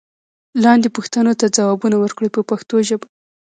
لاندې پوښتنو ته ځوابونه ورکړئ په پښتو ژبه.